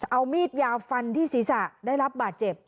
เอามีดยาวฟันที่ศีรษะได้รับบาดเจ็บ